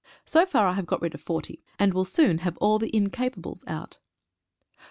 So far, I have got rid of 40, and will soon have all the incapables out.